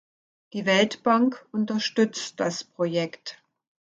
Die Weltbank unterstützt das Projekt.